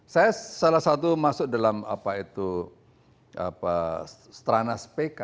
saya salah satu masuk dalam apa itu apa strana spk